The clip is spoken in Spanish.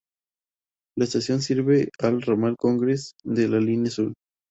La estación sirve al ramal Congress de la línea Azul.